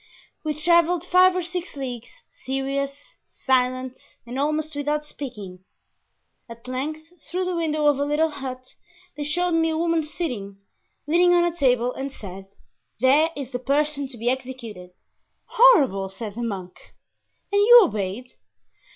We traveled five or six leagues, serious, silent, and almost without speaking. At length, through the window of a little hut, they showed me a woman sitting, leaning on a table, and said, 'there is the person to be executed.'" "Horrible!" said the monk. "And you obeyed?"